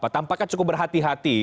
tampaknya cukup berhati hati